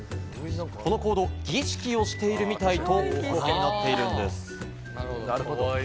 この行動、儀式をしているみたいと話題になっているんです。